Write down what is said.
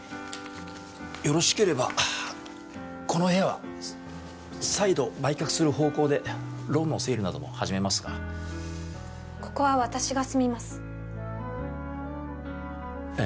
よろしければこの部屋は再度売却する方向でローンの整理なども始めますがここは私が住みますええ